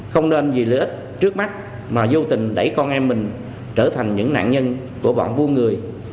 không nên vì lợi ích trước mắt mà vô tình đẩy con em mình trở thành những nạn nhân của bọn vua người